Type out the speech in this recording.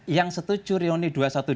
yang setuju reuni